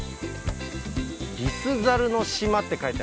「リスザルの島」って書いてありますね。